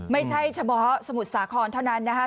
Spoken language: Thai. ไม่ใช่เฉพาะสมุทรสาครเท่านั้นนะคะ